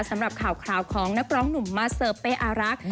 สำหรับข่าวของนักร้องหนุ่มมาเซอร์เป้อารักษ์